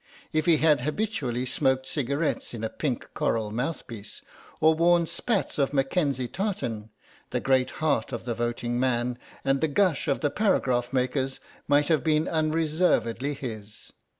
If he had habitually smoked cigarettes in a pink coral mouthpiece, or worn spats of Mackenzie tartan, the great heart of the voting man, and the gush of the paragraph makers might have been unreservedly his.